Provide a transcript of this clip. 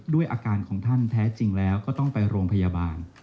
ด้วยอาการของท่านแท้จริงแล้วก็ต้องไปโรงพยาบาล